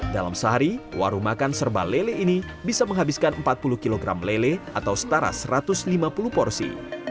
dalam sehari warung makan serba lele ini bisa menghabiskan empat puluh kg lele atau setara satu ratus lima puluh porsi